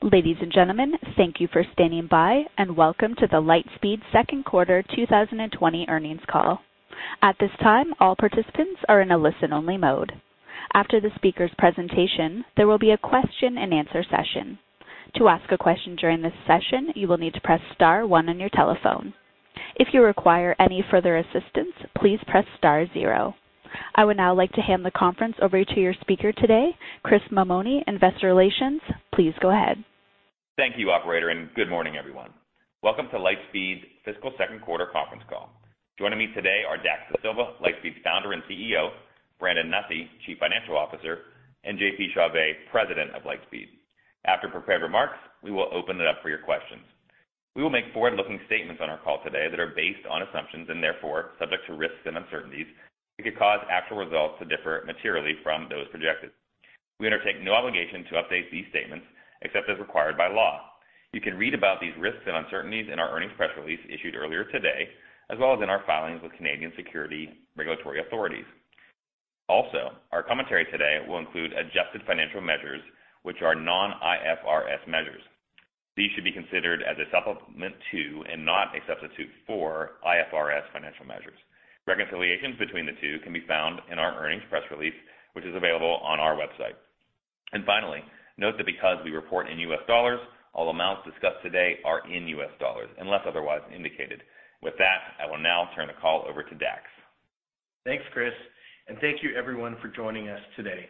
Ladies and gentlemen, thank you for standing by and welcome to the Lightspeed second quarter 2020 earnings call. At this time, all participants are in a listen-only mode. After the speaker's presentation, there will be a question and answer session. To ask a question during this session, you will need to press star one on your telephone. If you require any further assistance, please press star zero. I would now like to hand the conference over to your speaker today, Chris Mamone, Investor Relations. Please go ahead. Thank you, operator, and good morning, everyone. Welcome to Lightspeed's fiscal second quarter conference call. Joining me today are Dax Dasilva, Lightspeed's Founder and CEO, Brandon Nussey, Chief Financial Officer, and JP Chauvet, President of Lightspeed. After prepared remarks, we will open it up for your questions. We will make forward-looking statements on our call today that are based on assumptions and therefore subject to risks and uncertainties that could cause actual results to differ materially from those projected. We undertake no obligation to update these statements except as required by law. You can read about these risks and uncertainties in our earnings press release issued earlier today, as well as in our filings with Canadian security regulatory authorities. Our commentary today will include adjusted financial measures, which are non-IFRS measures. These should be considered as a supplement to and not a substitute for IFRS financial measures. Reconciliations between the two can be found in our earnings press release, which is available on our website. Finally, note that because we report in U.S. dollars, all amounts discussed today are in U.S. dollars unless otherwise indicated. With that, I will now turn the call over to Dax. Thanks, Chris. Thank you everyone for joining us today.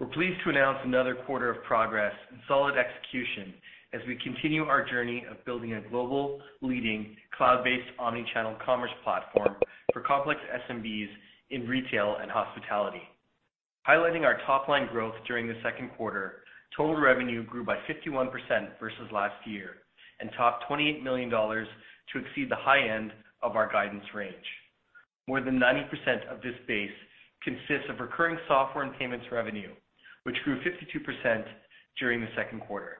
We're pleased to announce another quarter of progress and solid execution as we continue our journey of building a global leading cloud-based omni-channel commerce platform for complex SMBs in retail and hospitality. Highlighting our top-line growth during the second quarter, total revenue grew by 51% versus last year and topped $28 million to exceed the high end of our guidance range. More than 90% of this base consists of recurring software and payments revenue, which grew 52% during the second quarter.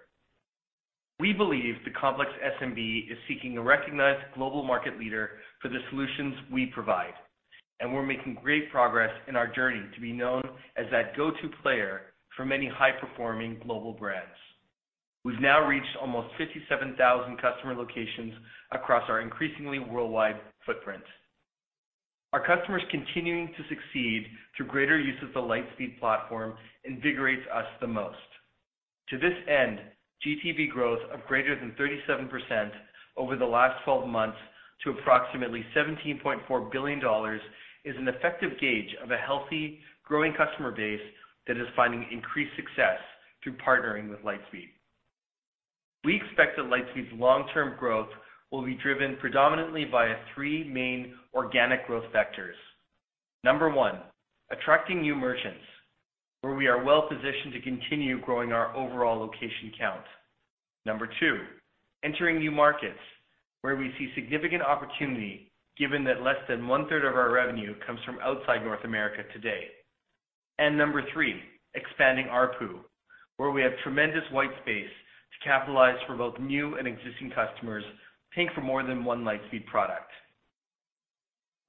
We believe the complex SMB is seeking a recognized global market leader for the solutions we provide, and we're making great progress in our journey to be known as that go-to player for many high-performing global brands. We've now reached almost 57,000 customer locations across our increasingly worldwide footprint. Our customers continuing to succeed through greater use of the Lightspeed platform invigorates us the most. To this end, GTV growth of greater than 37% over the last 12 months to approximately 17.4 billion dollars is an effective gauge of a healthy, growing customer base that is finding increased success through partnering with Lightspeed. We expect that Lightspeed's long-term growth will be driven predominantly via three main organic growth vectors. Number one, attracting new merchants, where we are well positioned to continue growing our overall location count. Number two, entering new markets, where we see significant opportunity given that less than one-third of our revenue comes from outside North America today. Number three, expanding ARPU, where we have tremendous white space to capitalize for both new and existing customers paying for more than one Lightspeed product.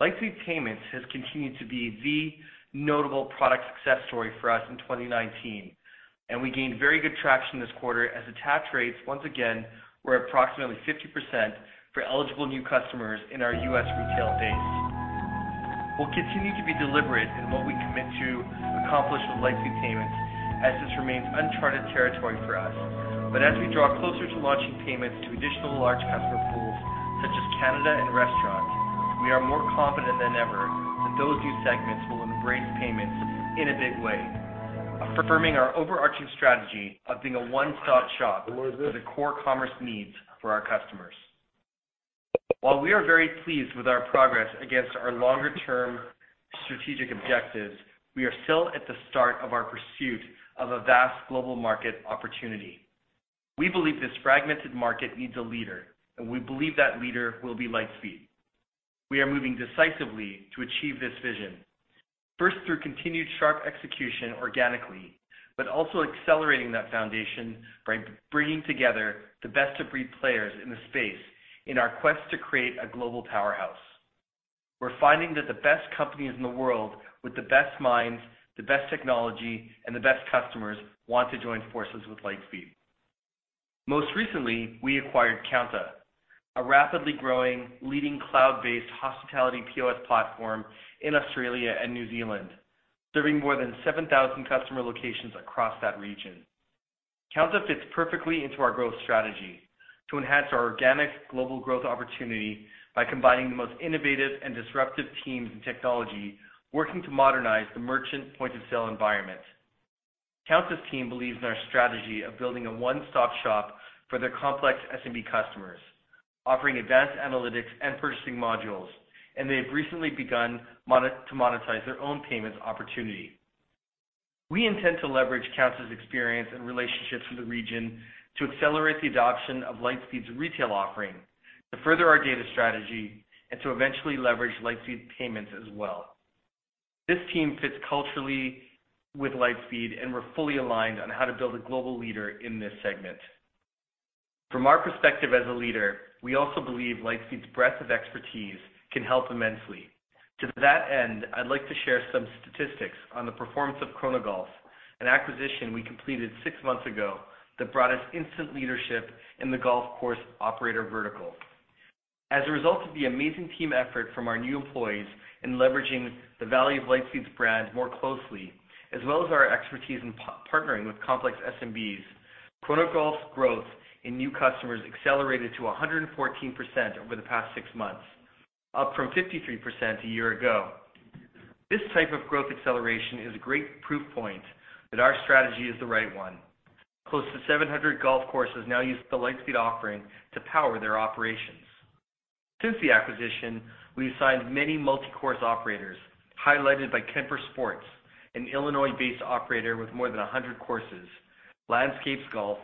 Lightspeed Payments has continued to be the notable product success story for us in 2019, and we gained very good traction this quarter as attach rates once again were approximately 50% for eligible new customers in our U.S. retail base. We'll continue to be deliberate in what we commit to accomplish with Lightspeed Payments, as this remains uncharted territory for us. As we draw closer to launching payments to additional large customer pools, such as Canada and restaurants, we are more confident than ever that those new segments will embrace payments in a big way, affirming our overarching strategy of being a one-stop shop for the core commerce needs for our customers. While we are very pleased with our progress against our longer-term strategic objectives, we are still at the start of our pursuit of a vast global market opportunity. We believe this fragmented market needs a leader, and we believe that leader will be Lightspeed. We are moving decisively to achieve this vision, first through continued sharp execution organically, but also accelerating that foundation by bringing together the best-of-breed players in the space in our quest to create a global powerhouse. We're finding that the best companies in the world with the best minds, the best technology, and the best customers want to join forces with Lightspeed. Most recently, we acquired Kounta, a rapidly growing leading cloud-based hospitality POS platform in Australia and New Zealand, serving more than 7,000 customer locations across that region. Kounta fits perfectly into our growth strategy to enhance our organic global growth opportunity by combining the most innovative and disruptive teams and technology working to modernize the merchant point-of-sale environment. Kounta's team believes in our strategy of building a one-stop shop for their complex SMB customers, offering advanced analytics and purchasing modules, and they have recently begun to monetize their own payments opportunity. We intend to leverage Kounta's experience and relationships in the region to accelerate the adoption of Lightspeed's retail offering, to further our data strategy, and to eventually leverage Lightspeed Payments as well. This team fits culturally with Lightspeed, and we're fully aligned on how to build a global leader in this segment. From our perspective as a leader, we also believe Lightspeed's breadth of expertise can help immensely. To that end, I'd like to share some statistics on the performance of Chronogolf, an acquisition we completed six months ago that brought us instant leadership in the golf course operator vertical. As a result of the amazing team effort from our new employees in leveraging the value of Lightspeed's brand more closely, as well as our expertise in partnering with complex SMBs, Chronogolf's growth in new customers accelerated to 114% over the past six months, up from 53% a year ago. This type of growth acceleration is a great proof point that our strategy is the right one. Close to 700 golf courses now use the Lightspeed offering to power their operations. Since the acquisition, we've signed many multi-course operators, highlighted by KemperSports, an Illinois-based operator with more than 100 courses, Landscapes Golf,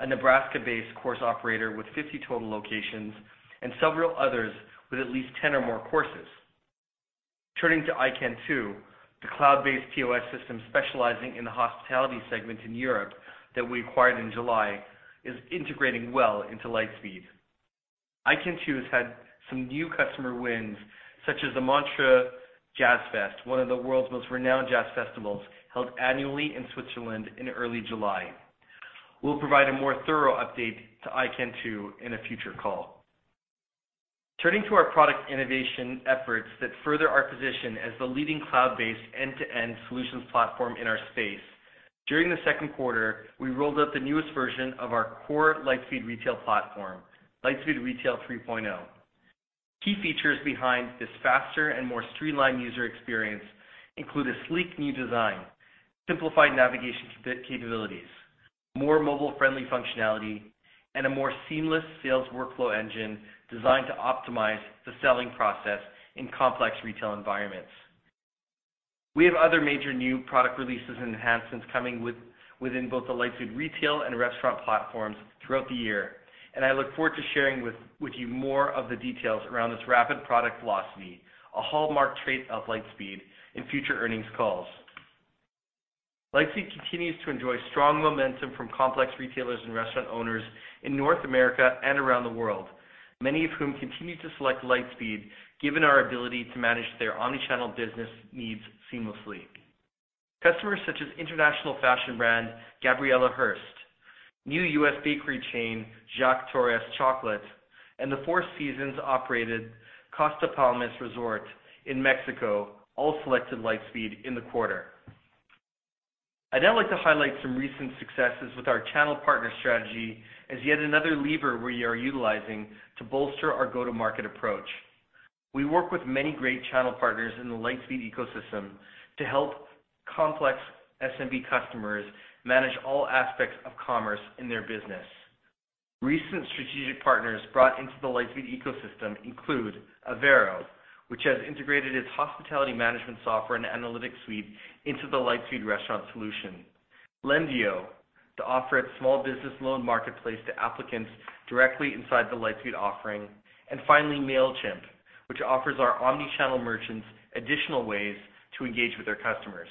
a Nebraska-based course operator with 50 total locations, and several others with at least 10 or more courses. Turning to iKentoo, the cloud-based POS system specializing in the hospitality segment in Europe that we acquired in July, is integrating well into Lightspeed. iKentoo has had some new customer wins, such as the Montreux Jazz Festival, one of the world's most renowned jazz festivals, held annually in Switzerland in early July. We'll provide a more thorough update to iKentoo in a future call. Turning to our product innovation efforts that further our position as the leading cloud-based end-to-end solutions platform in our space, during the second quarter, we rolled out the newest version of our core Lightspeed Retail platform, Lightspeed Retail 3.0. Key features behind this faster and more streamlined user experience include a sleek new design, simplified navigation capabilities, more mobile-friendly functionality, and a more seamless sales workflow engine designed to optimize the selling process in complex retail environments. We have other major new product releases and enhancements coming within both the Lightspeed Retail and Restaurant platforms throughout the year, and I look forward to sharing with you more of the details around this rapid product philosophy, a hallmark trait of Lightspeed, in future earnings calls. Lightspeed continues to enjoy strong momentum from complex retailers and restaurant owners in North America and around the world, many of whom continue to select Lightspeed given our ability to manage their omnichannel business needs seamlessly. Customers such as international fashion brand Gabriela Hearst, new US bakery chain Jacque Torres Chocolate, and the Four Seasons-operated Costa Palmas Resort in Mexico all selected Lightspeed in the quarter. I'd now like to highlight some recent successes with our channel partner strategy as yet another lever we are utilizing to bolster our go-to-market approach. We work with many great channel partners in the Lightspeed ecosystem to help complex SMB customers manage all aspects of commerce in their business. Recent strategic partners brought into the Lightspeed ecosystem include Avero, which has integrated its hospitality management software and analytics suite into the Lightspeed restaurant solution, Lendio, to offer its small business loan marketplace to applicants directly inside the Lightspeed offering, and finally, Mailchimp, which offers our omni-channel merchants additional ways to engage with their customers.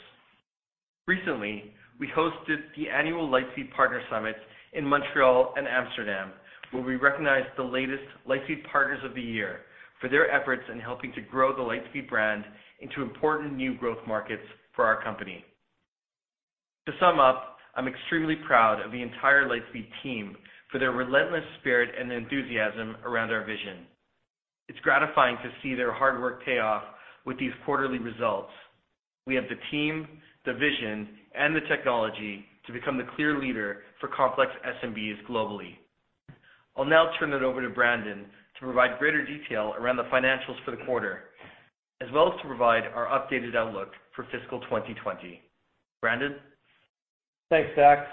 Recently, we hosted the annual Lightspeed Partner Summit in Montreal and Amsterdam, where we recognized the latest Lightspeed Partners of the Year for their efforts in helping to grow the Lightspeed brand into important new growth markets for our company. To sum up, I'm extremely proud of the entire Lightspeed team for their relentless spirit and enthusiasm around our vision. It's gratifying to see their hard work pay off with these quarterly results. We have the team, the vision, and the technology to become the clear leader for complex SMBs globally. I'll now turn it over to Brandon to provide greater detail around the financials for the quarter, as well as to provide our updated outlook for fiscal 2020. Brandon? Thanks, Dax.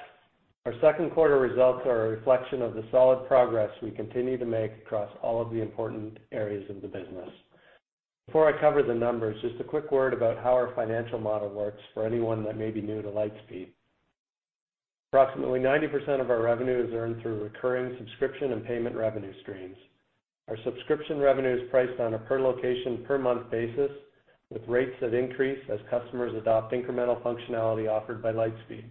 Our second quarter results are a reflection of the solid progress we continue to make across all of the important areas of the business. Before I cover the numbers, just a quick word about how our financial model works for anyone that may be new to Lightspeed. Approximately 90% of our revenue is earned through recurring subscription and payment revenue streams. Our subscription revenue is priced on a per location, per month basis, with rates that increase as customers adopt incremental functionality offered by Lightspeed.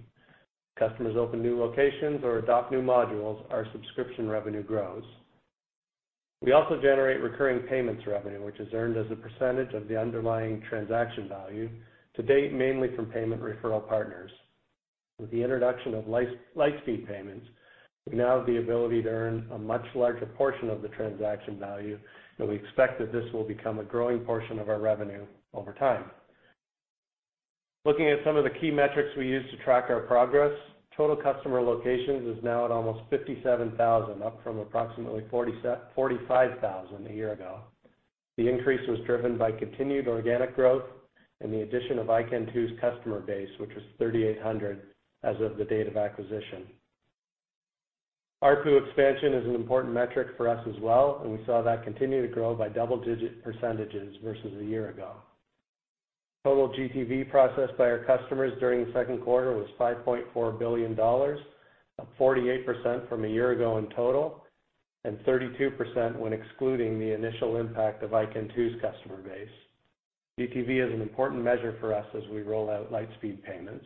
As customers open new locations or adopt new modules, our subscription revenue grows. We also generate recurring payments revenue, which is earned as a % of the underlying transaction value, to date, mainly from payment referral partners. With the introduction of Lightspeed Payments, we now have the ability to earn a much larger portion of the transaction value, and we expect that this will become a growing portion of our revenue over time. Looking at some of the key metrics we use to track our progress, total customer locations is now at almost 57,000, up from approximately 45,000 a year ago. The increase was driven by continued organic growth and the addition of iKentoo's customer base, which was 3,800 as of the date of acquisition. ARPU expansion is an important metric for us as well, and we saw that continue to grow by double-digit percentages versus a year ago. Total GTV processed by our customers during the second quarter was $5.4 billion, up 48% from a year ago in total, and 32% when excluding the initial impact of iKentoo's customer base. GTV is an important measure for us as we roll out Lightspeed Payments.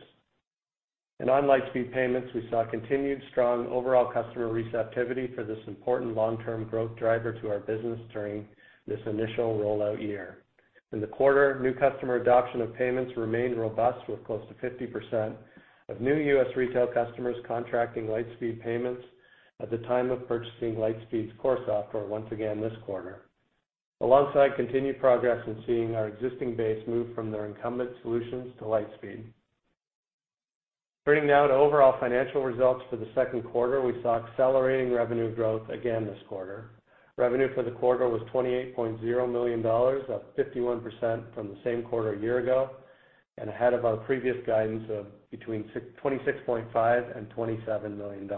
On Lightspeed Payments, we saw continued strong overall customer receptivity for this important long-term growth driver to our business during this initial rollout year. In the quarter, new customer adoption of payments remained robust with close to 50% of new U.S. retail customers contracting Lightspeed Payments at the time of purchasing Lightspeed's core software once again this quarter, alongside continued progress in seeing our existing base move from their incumbent solutions to Lightspeed. Turning now to overall financial results for the second quarter, we saw accelerating revenue growth again this quarter. Revenue for the quarter was $28.0 million, up 51% from the same quarter a year ago, and ahead of our previous guidance of between $26.5 and $27 million.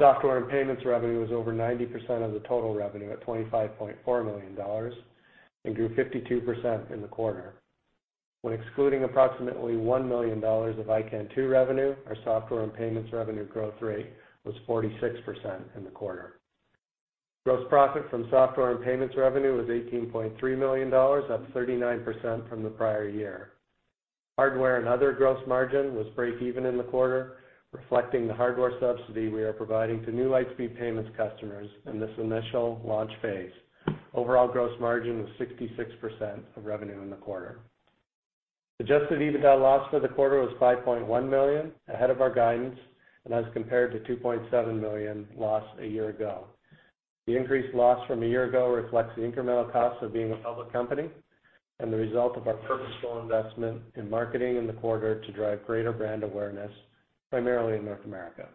Software and payments revenue was over 90% of the total revenue at $25.4 million, and grew 52% in the quarter. When excluding approximately $1 million of iKentoo revenue, our software and payments revenue growth rate was 46% in the quarter. Gross profit from software and payments revenue was $18.3 million, up 39% from the prior year. Hardware and other gross margin was breakeven in the quarter, reflecting the hardware subsidy we are providing to new Lightspeed Payments customers in this initial launch phase. Overall gross margin was 66% of revenue in the quarter. Adjusted EBITDA loss for the quarter was $5.1 million, ahead of our guidance, and as compared to $2.7 million loss a year ago. The increased loss from a year ago reflects the incremental cost of being a public company and the result of our purposeful investment in marketing in the quarter to drive greater brand awareness, primarily in North America.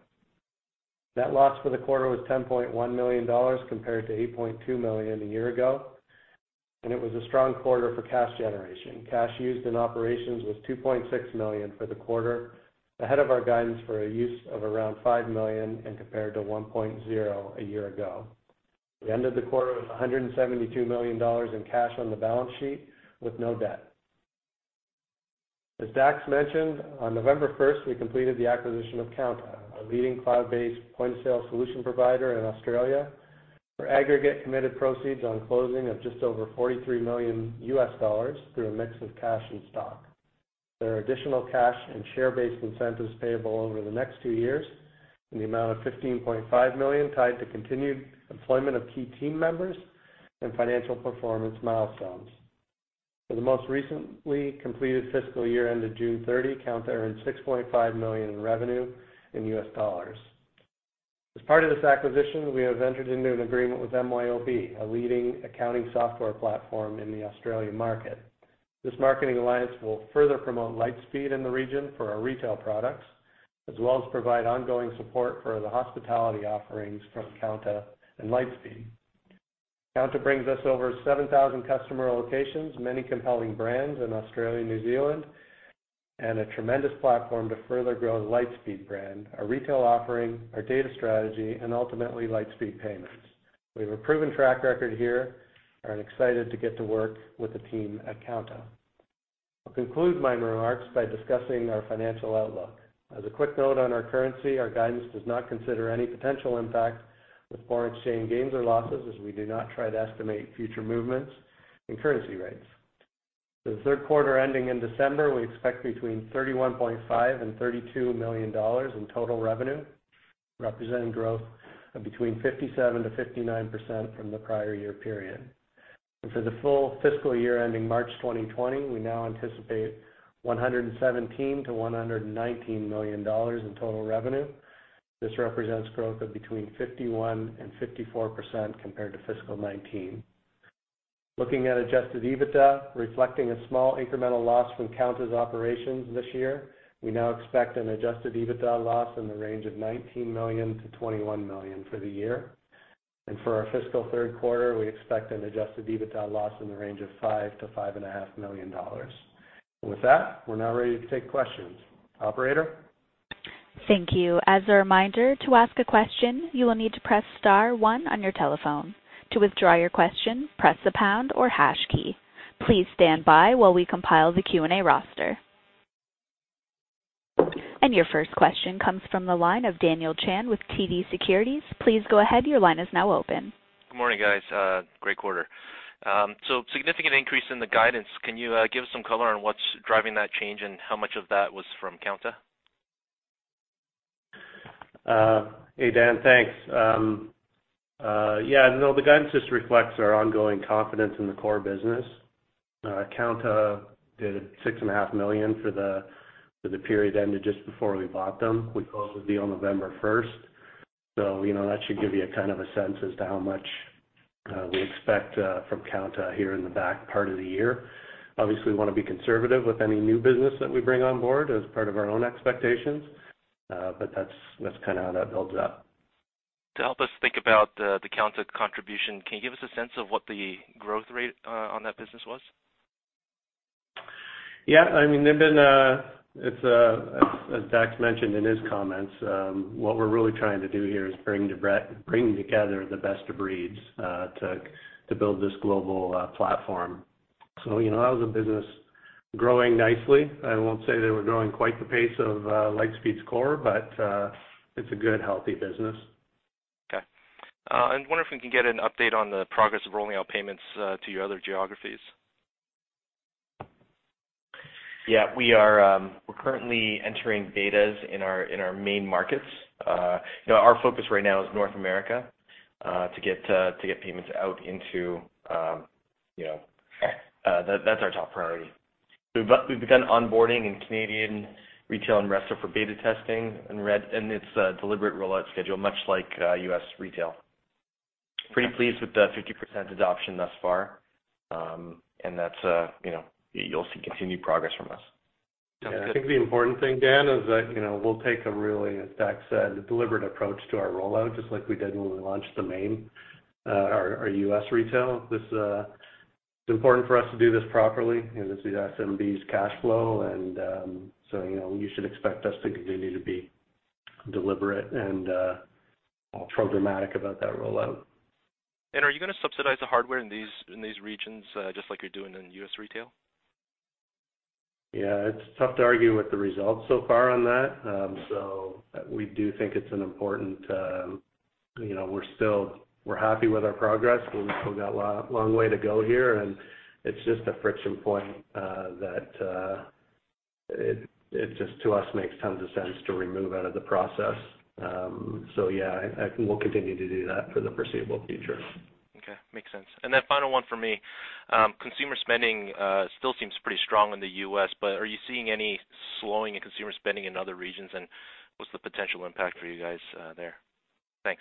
Net loss for the quarter was $10.1 million compared to $8.2 million a year ago. It was a strong quarter for cash generation. Cash used in operations was $2.6 million for the quarter, ahead of our guidance for a use of around $5 million and compared to $1.0 a year ago. We ended the quarter with $172 million in cash on the balance sheet with no debt. As Dax mentioned, on November 1st, we completed the acquisition of Kounta, a leading cloud-based point of sale solution provider in Australia, for aggregate committed proceeds on closing of just over $43 million through a mix of cash and stock. There are additional cash and share-based incentives payable over the next two years in the amount of $15.5 million tied to continued employment of key team members and financial performance milestones. For the most recently completed fiscal year ended June 30, Kounta earned $6.5 million in revenue in US dollars. As part of this acquisition, we have entered into an agreement with MYOB, a leading accounting software platform in the Australian market. This marketing alliance will further promote Lightspeed in the region for our retail products, as well as provide ongoing support for the hospitality offerings from Kounta and Lightspeed. Kounta brings us over 7,000 customer locations, many compelling brands in Australia and New Zealand, and a tremendous platform to further grow the Lightspeed brand, our retail offering, our data strategy, and ultimately, Lightspeed Payments. We have a proven track record here and are excited to get to work with the team at Kounta. I'll conclude my remarks by discussing our financial outlook. As a quick note on our currency, our guidance does not consider any potential impact with foreign exchange gains or losses, as we do not try to estimate future movements in currency rates. For the third quarter ending in December, we expect between $31.5 million and $32 million in total revenue, representing growth of between 57%-59% from the prior year period. For the full fiscal year ending March 2020, we now anticipate $117 million-$119 million in total revenue. This represents growth of between 51% and 54% compared to fiscal 2019. Looking at adjusted EBITDA, reflecting a small incremental loss from Kounta's operations this year, we now expect an adjusted EBITDA loss in the range of $19 million to $21 million for the year. For our fiscal third quarter, we expect an adjusted EBITDA loss in the range of $5 million to $5.5 million. With that, we're now ready to take questions. Operator? Thank you. As a reminder, to ask a question, you will need to press star one on your telephone. To withdraw your question, press the # or hash key. Please stand by while we compile the Q&A roster. Your first question comes from the line of Daniel Chan with TD Securities. Please go ahead, your line is now open. Good morning, guys. Great quarter. Significant increase in the guidance. Can you give us some color on what's driving that change and how much of that was from Kounta? Hey, Dan. Thanks. Yeah, no, the guidance just reflects our ongoing confidence in the core business. Kounta did $6.5 million for the period ended just before we bought them. We closed with them on November 1st. That should give you a sense as to how much we expect from Kounta here in the back part of the year. Obviously, we want to be conservative with any new business that we bring on board as part of our own expectations. That's kind of how that builds up. To help us think about the Kounta contribution, can you give us a sense of what the growth rate on that business was? Yeah. As Dax mentioned in his comments, what we're really trying to do here is bring together the best of breeds to build this global platform. That was a business growing nicely. I won't say they were growing quite the pace of Lightspeed's core, but it's a good, healthy business. Okay. I wonder if we can get an update on the progress of rolling out payments to your other geographies. Yeah. We're currently entering betas in our main markets. Our focus right now is North America, to get payments out. That's our top priority. We've begun onboarding in Canadian retail and restaurant for beta testing and it's a deliberate rollout schedule, much like U.S. retail. Pretty pleased with the 50% adoption thus far. You'll see continued progress from us. Okay. I think the important thing, Dan, is that we'll take a really, as Dax said, deliberate approach to our rollout, just like we did when we launched our U.S. Retail. It's important for us to do this properly. This is SMB's cash flow. You should expect us to continue to be deliberate and programmatic about that rollout. Are you going to subsidize the hardware in these regions, just like you're doing in U.S. retail? It's tough to argue with the results so far on that. We do think it's important. We're happy with our progress, but we've still got a long way to go here, and it's just a friction point that just to us makes tons of sense to remove out of the process. I think we'll continue to do that for the foreseeable future. Okay. Makes sense. Final one from me. Consumer spending still seems pretty strong in the U.S., but are you seeing any slowing in consumer spending in other regions, and what's the potential impact for you guys there? Thanks.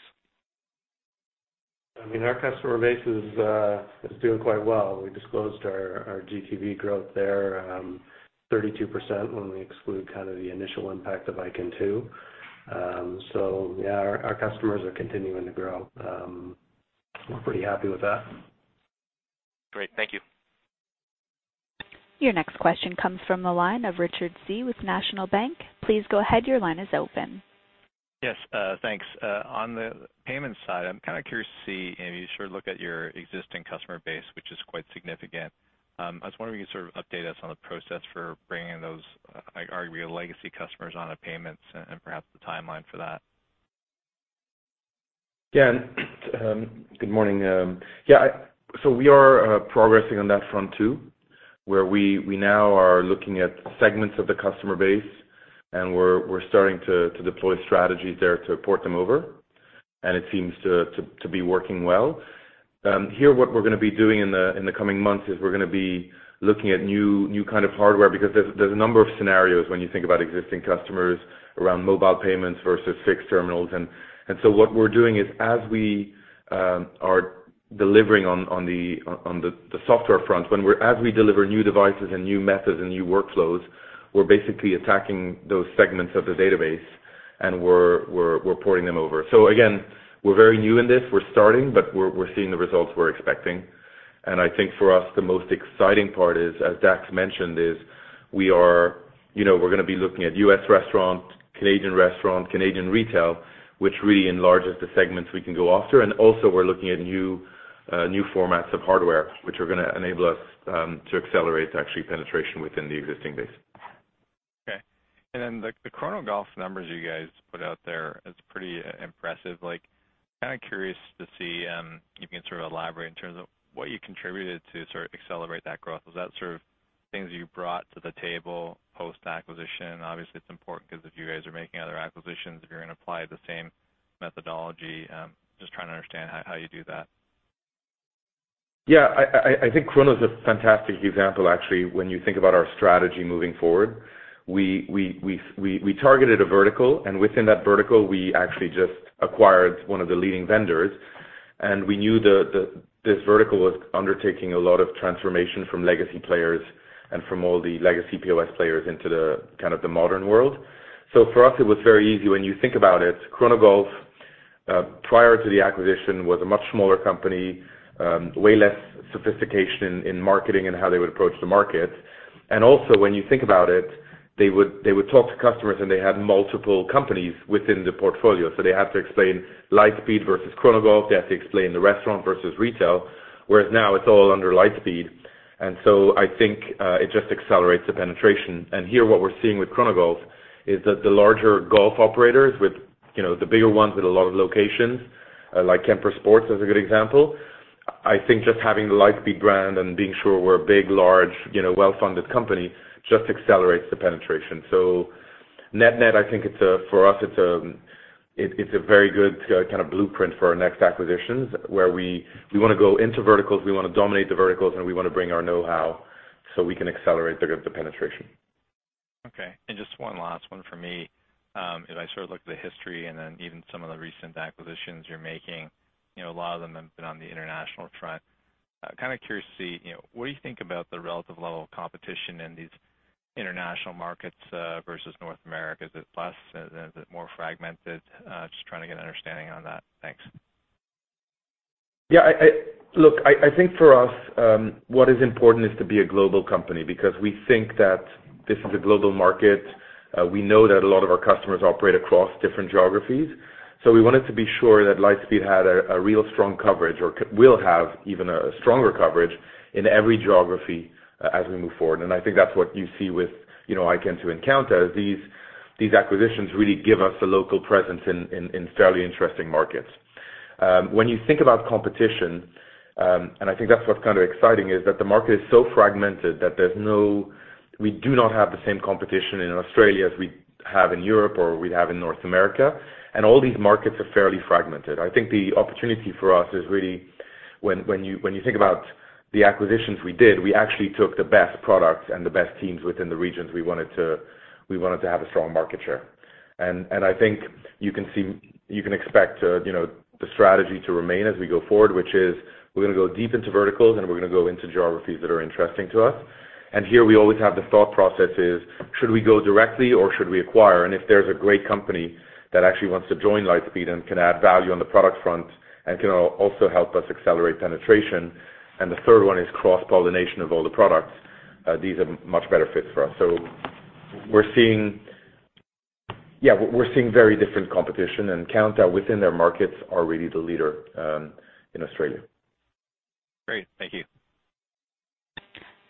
I mean, our customer base is doing quite well. We disclosed our GTV growth there, 32% when we exclude kind of the initial impact of iKentoo. Yeah, our customers are continuing to grow. We're pretty happy with that. Great. Thank you. Your next question comes from the line of Richard Tse with National Bank. Please go ahead, your line is open. Yes, thanks. On the Payment side, I mean, you sort of look at your existing customer base, which is quite significant. I was wondering if you could sort of update us on the process for bringing those, I argue, your legacy customers onto Payments and perhaps the timeline for that. Good morning. We are progressing on that front too, where we now are looking at segments of the customer base, and we're starting to deploy strategies there to port them over, and it seems to be working well. Here, what we're going to be doing in the coming months is we're going to be looking at new kind of hardware, because there's a number of scenarios when you think about existing customers around mobile payments versus fixed terminals. What we're doing is as we are delivering on the software front, as we deliver new devices and new methods and new workflows, we're basically attacking those segments of the database and we're porting them over. Again, we're very new in this. We're starting, but we're seeing the results we're expecting. I think for us, the most exciting part is, as Dax mentioned, is we're going to be looking at U.S. restaurant, Canadian restaurant, Canadian retail, which really enlarges the segments we can go after. Also we're looking at new formats of hardware, which are going to enable us to accelerate to actually penetration within the existing base. Okay. The Chronogolf numbers you guys put out there, it's pretty impressive. Kind of curious to see if you can sort of elaborate in terms of what you contributed to sort of accelerate that growth. Was that sort of things that you brought to the table post-acquisition? Obviously, it's important because if you guys are making other acquisitions, if you're going to apply the same methodology, just trying to understand how you do that. Yeah. I think Chrono's a fantastic example, actually, when you think about our strategy moving forward. We targeted a vertical, and within that vertical, we actually just acquired one of the leading vendors, and we knew this vertical was undertaking a lot of transformation from legacy players and from all the legacy POS players into the kind of the modern world. For us, it was very easy. When you think about it, Chronogolf, prior to the acquisition, was a much smaller company, way less sophistication in marketing and how they would approach the market. Also, when you think about it, they would talk to customers, and they had multiple companies within the portfolio. They had to explain Lightspeed versus Chronogolf. They had to explain the restaurant versus retail, whereas now it's all under Lightspeed. I think it just accelerates the penetration. Here, what we're seeing with Chronogolf is that the larger golf operators, the bigger ones with a lot of locations, like KemperSports is a good example. I think just having the Lightspeed brand and being sure we're a big, large, well-funded company just accelerates the penetration. Net-net, I think for us, it's a very good kind of blueprint for our next acquisitions, where we want to go into verticals, we want to dominate the verticals, and we want to bring our know-how so we can accelerate the penetration. Okay. Just one last one for me. As I sort of look at the history and then even some of the recent acquisitions you're making, a lot of them have been on the international front. Kind of curious to see, what do you think about the relative level of competition in these international markets versus North America? Is it less? Is it more fragmented? Just trying to get an understanding on that. Thanks. I think for us, what is important is to be a global company because we think that this is a global market. We know that a lot of our customers operate across different geographies. We wanted to be sure that Lightspeed had a real strong coverage or will have even a stronger coverage in every geography as we move forward. I think that's what you see with iKentoo and Kounta. These acquisitions really give us a local presence in fairly interesting markets. When you think about competition, and I think that's what's kind of exciting, is that the market is so fragmented that we do not have the same competition in Australia as we have in Europe or we have in North America. All these markets are fairly fragmented. I think the opportunity for us is really when you think about the acquisitions we did, we actually took the best products and the best teams within the regions we wanted to have a strong market share. I think you can expect the strategy to remain as we go forward, which is we're going to go deep into verticals and we're going to go into geographies that are interesting to us. Here we always have the thought process is, should we go directly or should we acquire? If there's a great company that actually wants to join Lightspeed and can add value on the product front and can also help us accelerate penetration, and the third one is cross-pollination of all the products, these are much better fits for us. We're seeing very different competition, and Kounta within their markets are really the leader in Australia. Great. Thank you.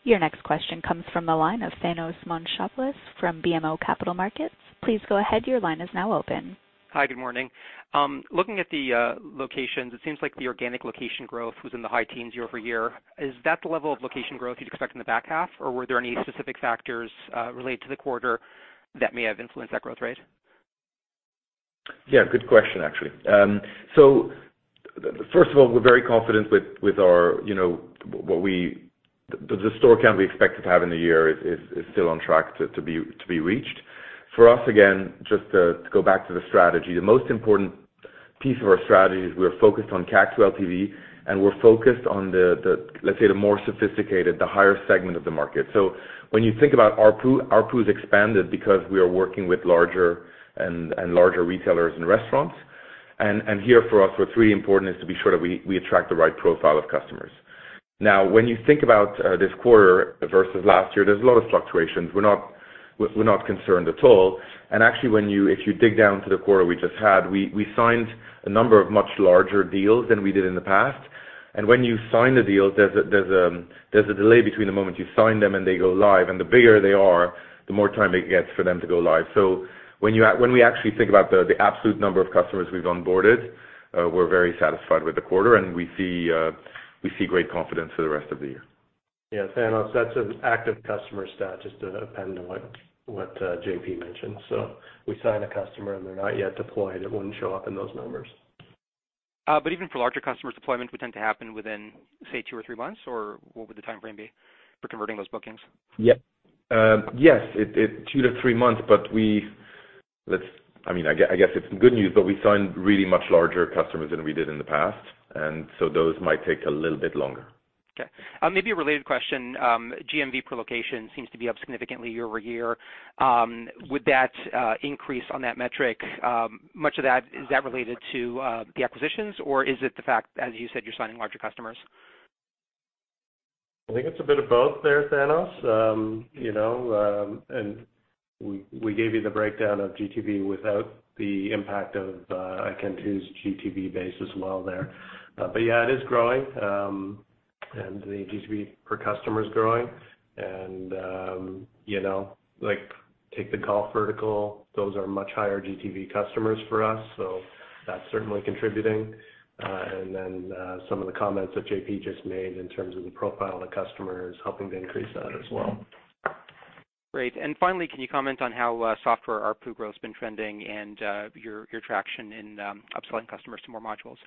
Your next question comes from the line of Thanos Moschopoulos from BMO Capital Markets. Please go ahead. Your line is now open. Hi, good morning. Looking at the locations, it seems like the organic location growth was in the high teens year-over-year. Is that the level of location growth you'd expect in the back half, or were there any specific factors related to the quarter that may have influenced that growth rate? Yeah, good question, actually. First of all, we're very confident with the store count we expected to have in a year is still on track to be reached. For us, again, just to go back to the strategy, the most important piece of our strategy is we are focused on CAC to LTV, and we're focused on the, let's say, the more sophisticated, the higher segment of the market. When you think about ARPU's expanded because we are working with larger and larger retailers and restaurants. Here for us, what's really important is to be sure that we attract the right profile of customers. Now, when you think about this quarter versus last year, there's a lot of fluctuations. We're not concerned at all. Actually, if you dig down to the quarter we just had, we signed a number of much larger deals than we did in the past. When you sign the deals, there's a delay between the moment you sign them and they go live. The bigger they are, the more time it gets for them to go live. When we actually think about the absolute number of customers we've onboarded, we're very satisfied with the quarter, and we see great confidence for the rest of the year. Yeah. Thanos, that's an active customer stat, just to append to what JP mentioned. We sign a customer, and they're not yet deployed. It wouldn't show up in those numbers. Even for larger customers, deployments would tend to happen within, say, two or three months, or what would the timeframe be for converting those bookings? Yes. Two to three months, but I guess it's good news, but we signed really much larger customers than we did in the past, and so those might take a little bit longer. Okay. Maybe a related question. GMV per location seems to be up significantly year-over-year. Would that increase on that metric, much of that, is that related to the acquisitions or is it the fact, as you said, you're signing larger customers? I think it's a bit of both there, Thanos. We gave you the breakdown of GTV without the impact of iKentoo's GTV base as well there. Yeah, it is growing, and the GTV per customer is growing. Like take the golf vertical, those are much higher GTV customers for us, so that's certainly contributing. Some of the comments that JP just made in terms of the profile of the customer is helping to increase that as well. Great. Finally, can you comment on how software ARPU growth has been trending and your traction in upselling customers to more modules?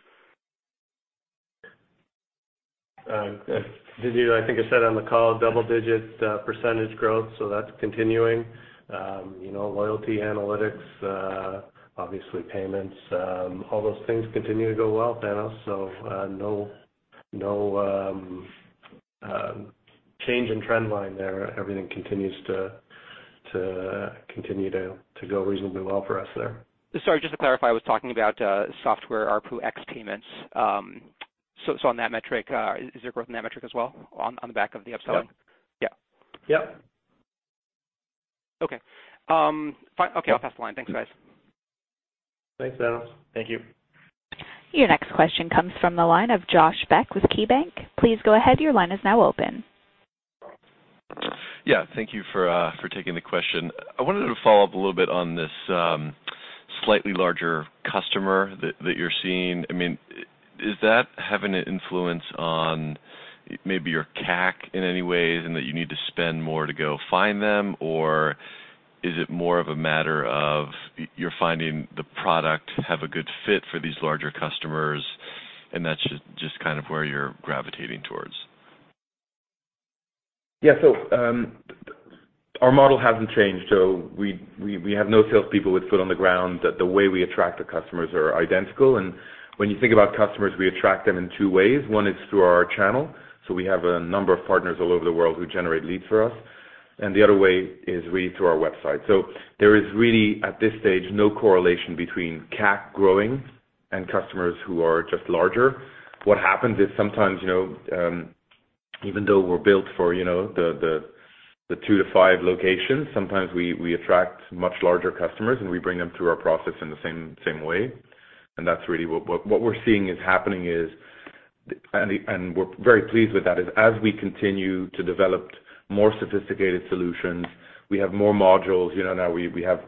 Thanos, I think I said on the call, double-digit % growth, so that's continuing. Loyalty Analytics, obviously Payments, all those things continue to go well, Thanos. No change in trend line there. Everything continues to go reasonably well for us there. Sorry, just to clarify, I was talking about software ARPU ex-payments. On that metric, is there growth in that metric as well on the back of the upselling? Yeah. Yeah. Yep. Okay. Fine. Okay, I'll pass the line. Thanks, guys. Thanks, Thanos. Thank you. Your next question comes from the line of Josh Beck with KeyBanc. Please go ahead. Your line is now open. Yeah. Thank you for taking the question. I wanted to follow up a little bit on this slightly larger customer that you're seeing. Is that having an influence on maybe your CAC in any ways and that you need to spend more to go find them? Or is it more of a matter of you're finding the product have a good fit for these larger customers and that's just kind of where you're gravitating towards? Our model hasn't changed. We have no salespeople with foot on the ground. The way we attract the customers are identical. When you think about customers, we attract them in two ways. One is through our channel. We have a number of partners all over the world who generate leads for us. The other way is really through our website. There is really, at this stage, no correlation between CAC growing and customers who are just larger. What happens is sometimes, even though we're built for the two to five locations, sometimes we attract much larger customers, and we bring them through our process in the same way. That's really what we're seeing is happening. We're very pleased with that as we continue to develop more sophisticated solutions, we have more modules, now we have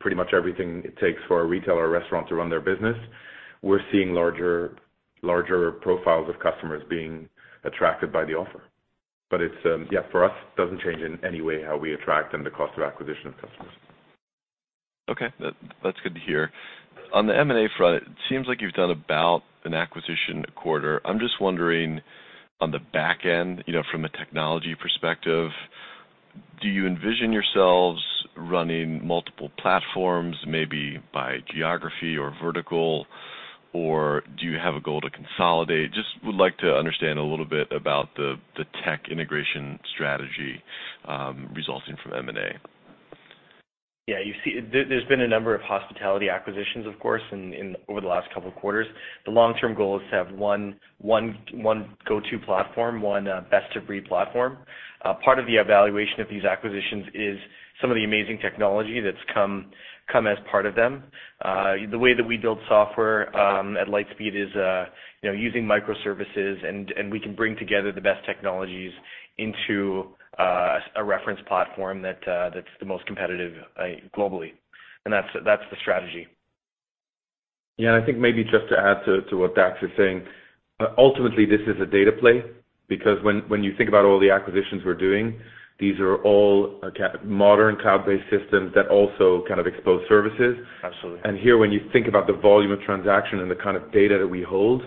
pretty much everything it takes for a retail or restaurant to run their business. We're seeing larger profiles of customers being attracted by the offer. For us, it doesn't change in any way how we attract and the cost of acquisition of customers. Okay. That's good to hear. On the M&A front, it seems like you've done about an acquisition a quarter. I'm just wondering on the back end, from a technology perspective, do you envision yourselves running multiple platforms, maybe by geography or vertical, or do you have a goal to consolidate? Would like to understand a little bit about the tech integration strategy, resulting from M&A. There's been a number of hospitality acquisitions, of course, over the last couple of quarters. The long-term goal is to have one go-to platform, one best-of-breed platform. Part of the evaluation of these acquisitions is some of the amazing technology that's come as part of them. The way that we build software at Lightspeed is using microservices, and we can bring together the best technologies into a reference platform that's the most competitive globally. That's the strategy. Yeah, I think maybe just to add to what Dax is saying, ultimately, this is a data play, because when you think about all the acquisitions we're doing, these are all modern cloud-based systems that also kind of expose services. Absolutely. Here, when you think about the volume of transaction and the kind of data that we hold,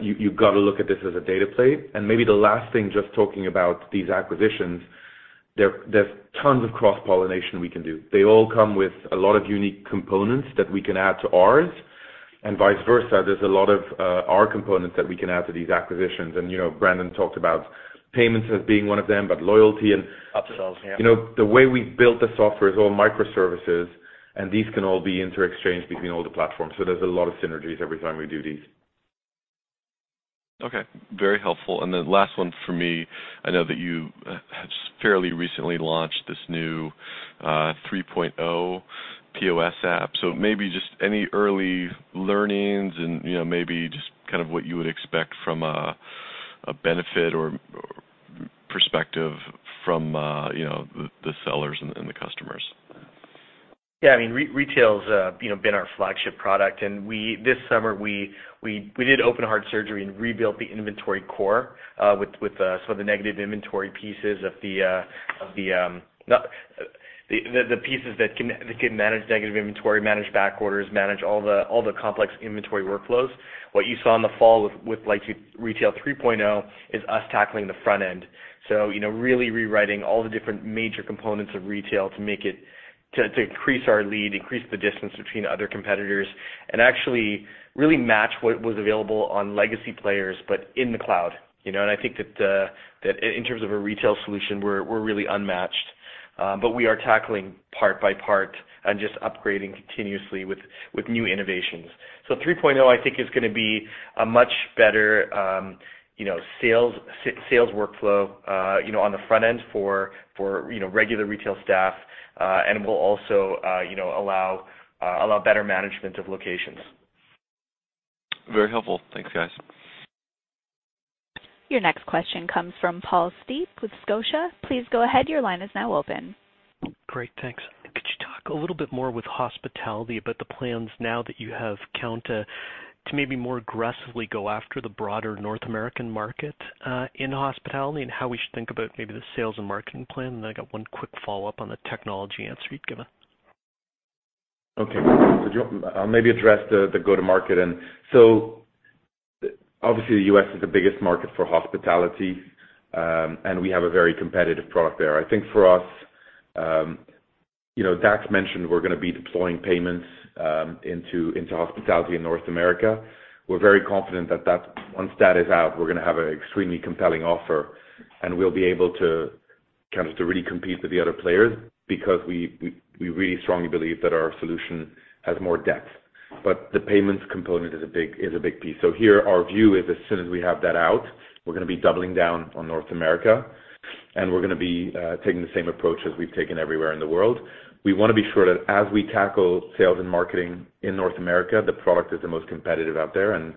you've got to look at this as a data play. Maybe the last thing, just talking about these acquisitions, there's tons of cross-pollination we can do. They all come with a lot of unique components that we can add to ours and vice versa. There's a lot of our components that we can add to these acquisitions. Brandon Nussey talked about payments as being one of them, but loyalty and- Upsells, yeah. The way we built the software is all microservices, and these can all be interexchanged between all the platforms. There's a lot of synergies every time we do these. Okay. Very helpful. The last one for me, I know that you have fairly recently launched this new 3.0 POS app. Maybe just any early learnings and maybe just what you would expect from a benefit or perspective from the sellers and the customers. Yeah, Retail's been our flagship product, and this summer we did open heart surgery and rebuilt the inventory core with some of the negative inventory pieces of the pieces that can manage negative inventory, manage back orders, manage all the complex inventory workflows. What you saw in the fall with Retail 3.0 is us tackling the front end. Really rewriting all the different major components of Retail to increase our lead, increase the distance between other competitors, and actually really match what was available on legacy players, but in the cloud. I think that in terms of a Retail solution, we're really unmatched. We are tackling part by part and just upgrading continuously with new innovations. 3.0, I think, is going to be a much better sales workflow on the front end for regular Retail staff, and will also allow better management of locations. Very helpful. Thanks, guys. Your next question comes from Paul Steep with Scotia. Please go ahead. Your line is now open. Great. Thanks. Could you talk a little bit more with hospitality about the plans now that you have Kounta to maybe more aggressively go after the broader North American market, in hospitality and how we should think about maybe the sales and marketing plan? I got one quick follow-up on the technology answer you'd given. Okay. I'll maybe address the go-to-market end. Obviously, the U.S. is the biggest market for hospitality, and we have a very competitive product there. I think for us, Dax mentioned we're going to be deploying payments into hospitality in North America. We're very confident that once that is out, we're going to have an extremely compelling offer, and we'll be able to really compete with the other players because we really strongly believe that our solution has more depth. The payments component is a big piece. Here, our view is as soon as we have that out, we're going to be doubling down on North America, and we're going to be taking the same approach as we've taken everywhere in the world. We want to be sure that as we tackle sales and marketing in North America, the product is the most competitive out there, and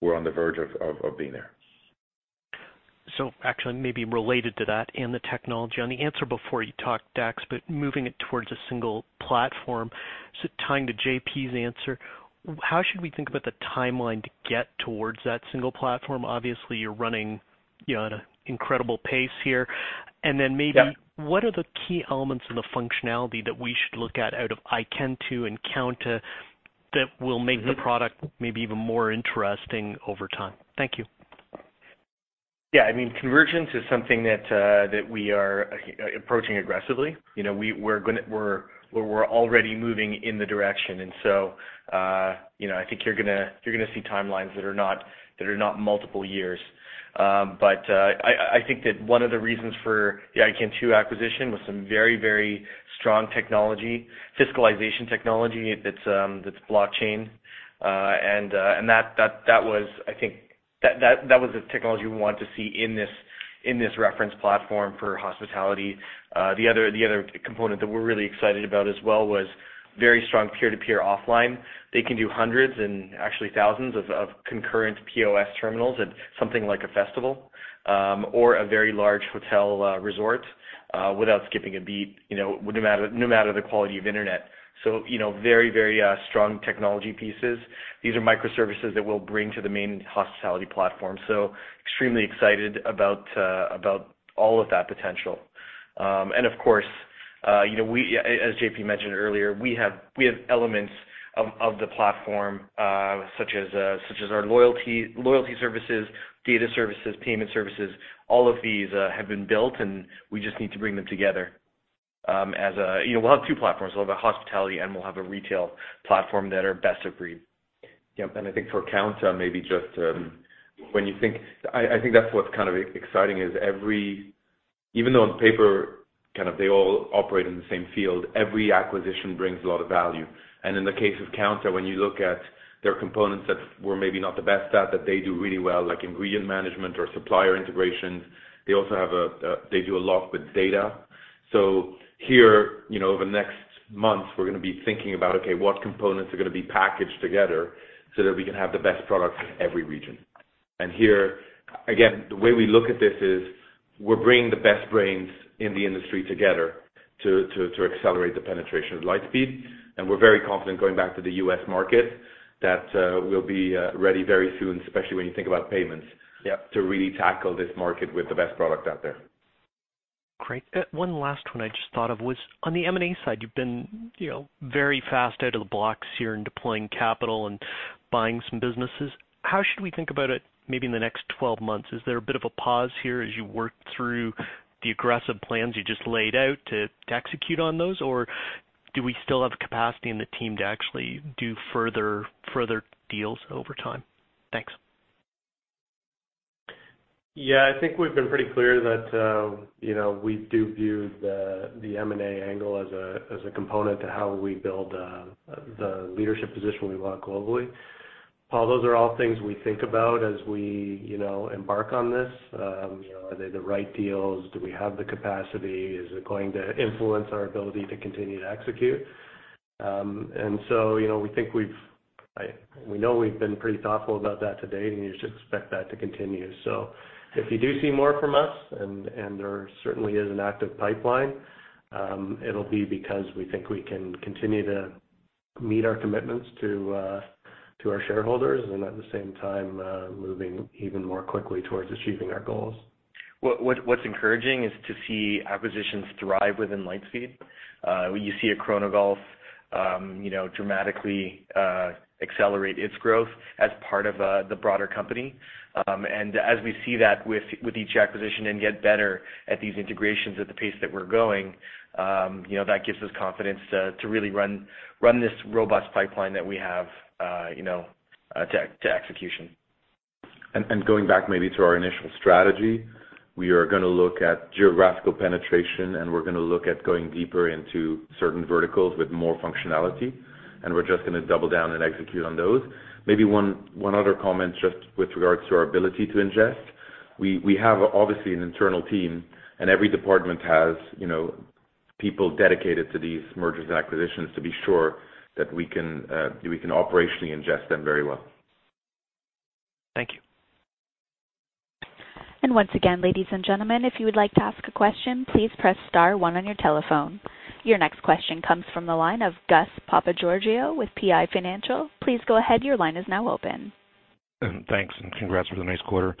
we're on the verge of being there. Actually, maybe related to that and the technology. On the answer before you talked, Dax, but moving it towards a single platform, tying to JP's answer, how should we think about the timeline to get towards that single platform? Obviously, you're running at an incredible pace here. Then maybe. Yeah What are the key elements and the functionality that we should look at out of iKentoo and Kounta that will make the product maybe even more interesting over time? Thank you. Yeah, convergence is something that we are approaching aggressively. We're already moving in the direction. I think you're going to see timelines that are not multiple years. I think that one of the reasons for the iKentoo acquisition was some very strong technology, fiscalization technology, that's blockchain. That was the technology we wanted to see in this reference platform for hospitality. The other component that we're really excited about as well was very strong peer-to-peer offline. They can do hundreds and actually thousands of concurrent POS terminals at something like a festival or a very large hotel resort without skipping a beat, no matter the quality of Internet. Very strong technology pieces. These are microservices that we'll bring to the main hospitality platform. Extremely excited about all of that potential. Of course, as JP mentioned earlier, we have elements of the platform, such as our loyalty services, data services, payment services. All of these have been built, and we just need to bring them together. We'll have two platforms. We'll have a hospitality and we'll have a retail platform that are best of breed. Yep. I think for Kounta, I think that's what's kind of exciting is even though on paper, they all operate in the same field, every acquisition brings a lot of value. In the case of Kounta, when you look at their components that were maybe not the best at, that they do really well, like ingredient management or supplier integrations. They also do a lot with data. Here, over the next month, we're going to be thinking about, okay, what components are going to be packaged together so that we can have the best product for every region. Here, again, the way we look at this is we're bringing the best brains in the industry together to accelerate the penetration of Lightspeed. We're very confident going back to the U.S. market that we'll be ready very soon, especially when you think about payments. Yep to really tackle this market with the best product out there. Great. One last one I just thought of was on the M&A side, you've been very fast out of the blocks here in deploying capital and buying some businesses. How should we think about it maybe in the next 12 months? Is there a bit of a pause here as you work through the aggressive plans you just laid out to execute on those, or do we still have capacity in the team to actually do further deals over time? Thanks. I think we've been pretty clear that we do view the M&A angle as a component to how we build the leadership position we want globally. Paul, those are all things we think about as we embark on this. Are they the right deals? Do we have the capacity? Is it going to influence our ability to continue to execute? We know we've been pretty thoughtful about that to date, and you should expect that to continue. If you do see more from us, and there certainly is an active pipeline, it'll be because we think we can continue to meet our commitments to our shareholders and at the same time, moving even more quickly towards achieving our goals. What's encouraging is to see acquisitions thrive within Lightspeed. You see a Chronogolf dramatically accelerate its growth as part of the broader company. As we see that with each acquisition and get better at these integrations at the pace that we're going, that gives us confidence to really run this robust pipeline that we have to execution. Going back maybe to our initial strategy, we are going to look at geographical penetration, and we're going to look at going deeper into certain verticals with more functionality, and we're just going to double down and execute on those. Maybe one other comment just with regards to our ability to ingest. We have, obviously, an internal team and every department has people dedicated to these mergers and acquisitions to be sure that we can operationally ingest them very well. Thank you. Once again, ladies and gentlemen, if you would like to ask a question, please press star one on your telephone. Your next question comes from the line of Gus Papageorgiou with PI Financial. Please go ahead, your line is now open. Thanks. Congrats for the nice quarter.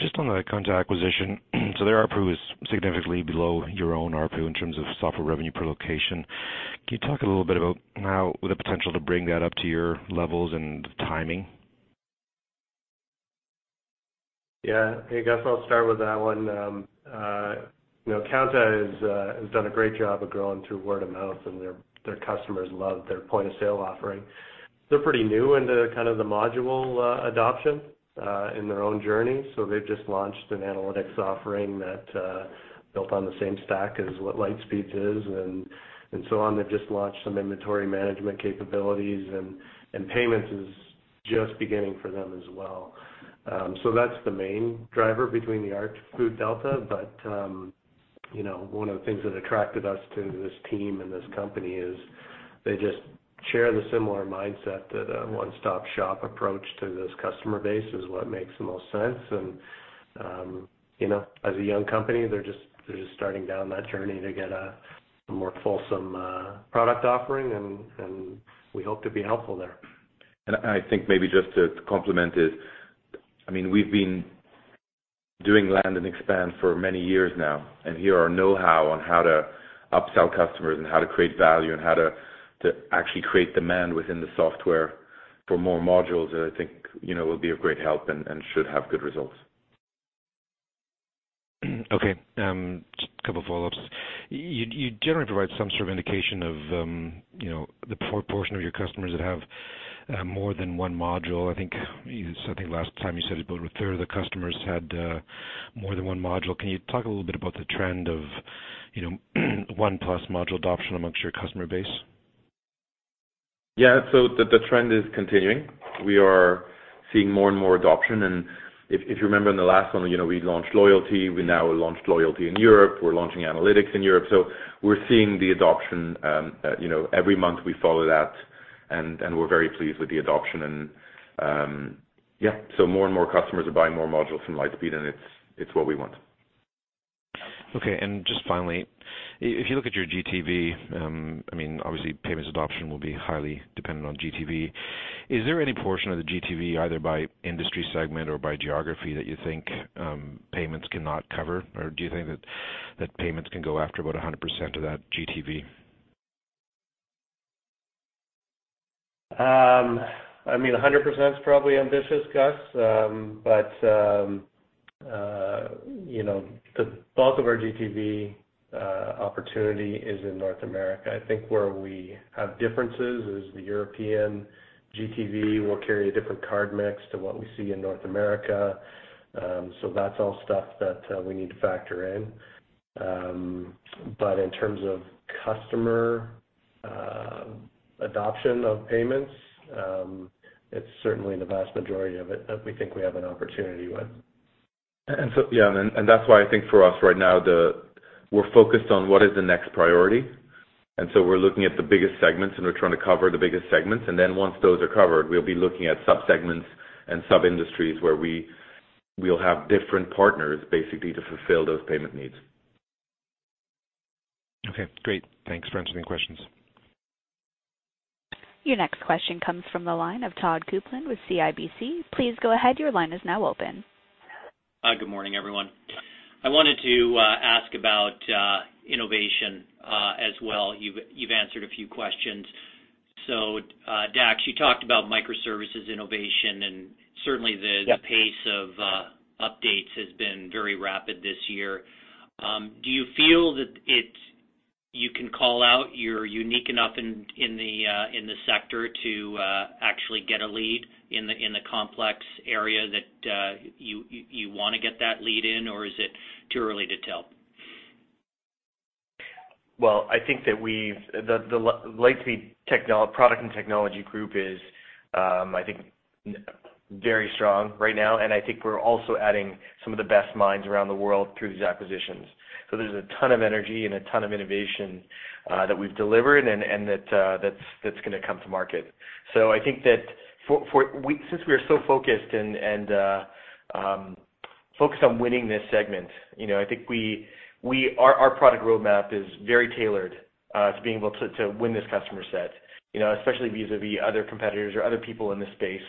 Just on the Kounta acquisition. Their ARPU is significantly below your own ARPU in terms of software revenue per location. Can you talk a little bit about now the potential to bring that up to your levels and the timing? Yeah. Hey, Gus, I'll start with that one. Kounta has done a great job of growing through word of mouth, and their customers love their point-of-sale offering. They're pretty new into kind of the module adoption in their own journey. They've just launched an analytics offering built on the same stack as what Lightspeed's is, and so on. They've just launched some inventory management capabilities, and payments is just beginning for them as well. That's the main driver between the ARPU delta. One of the things that attracted us to this team and this company is they just share the similar mindset that a one-stop-shop approach to this customer base is what makes the most sense. As a young company, they're just starting down that journey to get a more fulsome product offering, and we hope to be helpful there. I think maybe just to complement it, we've been doing land and expand for many years now, and here our knowhow on how to upsell customers and how to create value and how to actually create demand within the software for more modules that I think will be of great help and should have good results. Just a couple follow-ups. You generally provide some sort of indication of the portion of your customers that have more than one module. I think last time you said about a third of the customers had more than one module. Can you talk a little bit about the trend of one-plus module adoption amongst your customer base? Yeah. The trend is continuing. We are seeing more and more adoption. If you remember in the last one, we launched Loyalty. We now launched Loyalty in Europe. We're launching Analytics in Europe. We're seeing the adoption every month we follow that, and we're very pleased with the adoption. More and more customers are buying more modules from Lightspeed, and it's what we want. Okay. Just finally, if you look at your GTV, obviously payments adoption will be highly dependent on GTV. Is there any portion of the GTV, either by industry segment or by geography, that you think payments cannot cover? Do you think that payments can go after about 100% of that GTV? I mean, 100% is probably ambitious, Gus. The bulk of our GTV opportunity is in North America. I think where we have differences is the European GTV will carry a different card mix to what we see in North America. That's all stuff that we need to factor in. In terms of customer adoption of payments, it's certainly the vast majority of it that we think we have an opportunity with. That's why I think for us right now, we're focused on what is the next priority. We're looking at the biggest segments, and we're trying to cover the biggest segments. Once those are covered, we'll be looking at sub-segments and sub-industries where we'll have different partners basically to fulfill those payment needs. Okay, great. Thanks for answering the questions. Your next question comes from the line of Todd Coupland with CIBC. Please go ahead, your line is now open. Hi, good morning, everyone. I wanted to ask about innovation as well. You've answered a few questions. Dax, you talked about microservices innovation, and certainly the pace of updates has been very rapid this year. Do you feel that you can call out you're unique enough in the sector to actually get a lead in the complex area that you want to get that lead in, or is it too early to tell? I think that the Lightspeed product and technology group is very strong right now, and I think we're also adding some of the best minds around the world through these acquisitions. There's a ton of energy and a ton of innovation that we've delivered and that's going to come to market. I think that since we are so focused on winning this segment, I think our product roadmap is very tailored to being able to win this customer set, especially vis-à-vis other competitors or other people in this space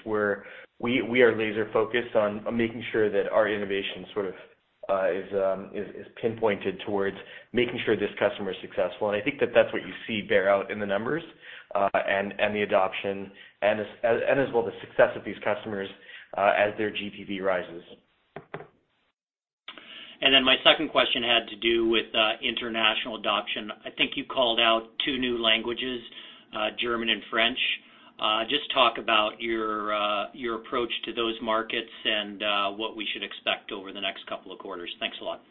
where we are laser focused on making sure that our innovation sort of is pinpointed towards making sure this customer is successful. I think that that's what you see bear out in the numbers and the adoption, and as well, the success of these customers as their GTV rises. My second question had to do with international adoption. I think you called out two new languages, German and French. Just talk about your approach to those markets and what we should expect over the next couple of quarters. Thanks a lot.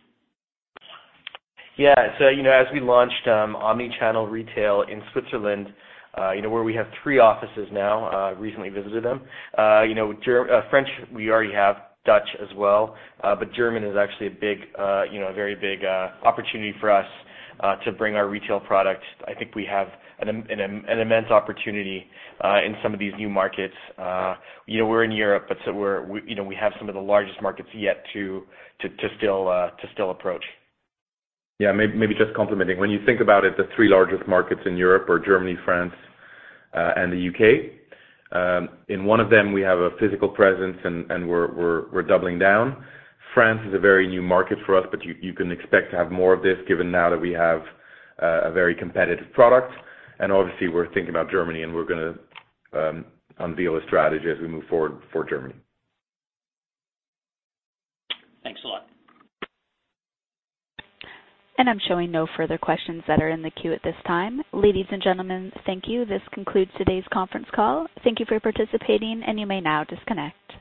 As we launched omni-channel retail in Switzerland where we have three offices now, I recently visited them. French we already have, Dutch as well. German is actually a very big opportunity for us to bring our retail product. I think we have an immense opportunity in some of these new markets. We're in Europe, but we have some of the largest markets yet to still approach. Yeah, maybe just complementing. When you think about it, the three largest markets in Europe are Germany, France, and the U.K. In one of them, we have a physical presence, and we're doubling down. France is a very new market for us, but you can expect to have more of this given now that we have a very competitive product. Obviously we're thinking about Germany, and we're going to unveil a strategy as we move forward for Germany. Thanks a lot. I'm showing no further questions that are in the queue at this time. Ladies and gentlemen, thank you. This concludes today's conference call. Thank you for participating, and you may now disconnect.